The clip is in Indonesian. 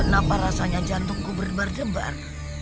kenapa rasanya jantungku berdebar gembar